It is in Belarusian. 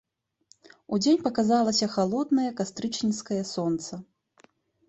Удзень паказалася халоднае кастрычніцкае сонца.